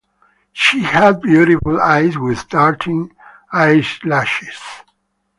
She had beautiful eyes with darting eyelashes.